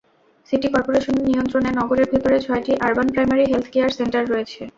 City করপোরেশনের নিয়ন্ত্রণে নগরের ভেতরে ছয়টি urban primary health care centre রয়েছে।